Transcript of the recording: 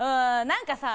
何かさ